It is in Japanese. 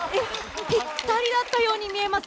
ぴったりだったように見えます。